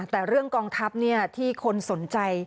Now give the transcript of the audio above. แต่เรื่องกองทัพที่คนสนใจ